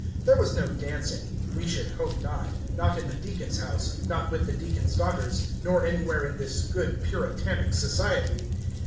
There was no dancing. We should hope not. Not in the deacon's house; not with the deacon's daughters, nor anywhere in this good Puritanic society.